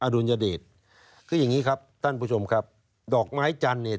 ดุลยเดชคืออย่างนี้ครับท่านผู้ชมครับดอกไม้จันทร์เนี่ย